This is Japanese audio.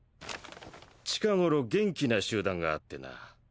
近頃元気な集団があってな。